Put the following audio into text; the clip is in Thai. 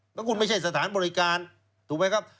แล้วคุณไม่ใช่สถานบริการถูกไหมครับ